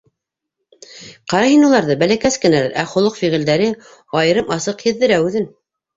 Ҡара һин уларҙы, бәләкәс кенәләр, ә холоҡ-фиғелдәре айырым- асыҡ һиҙҙерә үҙен.